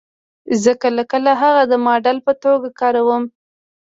زه کله کله هغه د ماډل په توګه کاروم